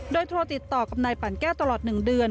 โดยโทรติดต่อกับนายปั่นแก้วตลอด๑เดือน